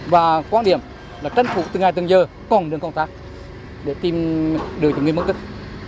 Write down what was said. và quan điểm là tránh phụ từ ngày tới giờ còn đường công tác để tìm được người bị mất tích